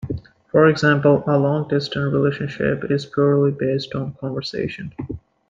For example, a long-distance relationship is purely based on conversation.